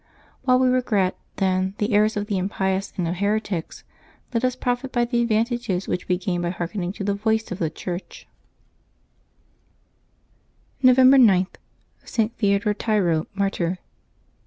While we regret, then, the errors of the impious and of heretics, let us profit by the advantages which we gain by hearkening to the voice of the Church. 354 LIVES OF THE SAINTS [Novembeb 10 November 9.— ST. THEODORE TYRO, Martyr.